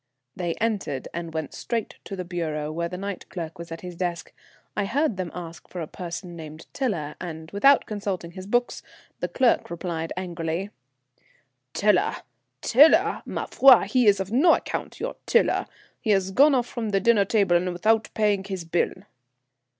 They entered, and went straight to the bureau, where the night clerk was at his desk. I heard them ask for a person named Tiler, and without consulting his books the clerk replied angrily: "Tiler! Tiler! Ma foi, he is of no account, your Tiler. He has gone off from the dinner table and without paying his bill."